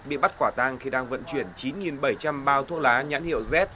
bị bắt quả tang khi đang vận chuyển chín bảy trăm linh bao thuốc lá nhãn hiệu z